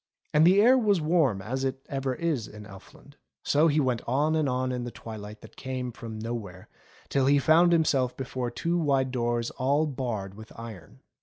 And the air was warm as it ever is in Elfland. So he went on and on in the twilight that came from nowhere, till he found himself before two wide doors all barred with iron.